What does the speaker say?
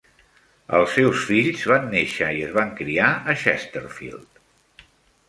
Els seus fills van néixer i es van criar a Chesterfield.